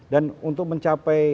dan untuk mencapai